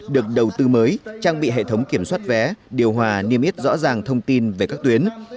được đầu tư mới trang bị hệ thống kiểm soát vé điều hòa niêm yết rõ ràng thông tin về các tuyến